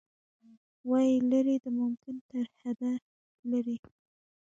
وايي، لیرې د ممکن ترحده لیرې